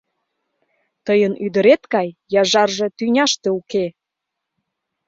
— Тыйын ӱдырет гай яжарже тӱняште уке!